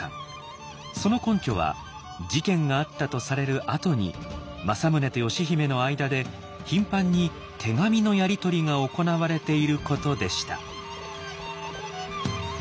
その根拠は事件があったとされるあとに政宗と義姫の間で頻繁に手紙のやりとりが行われていることでした。